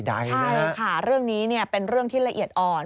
ใช่ค่ะเรื่องนี้เป็นเรื่องที่ละเอียดอ่อน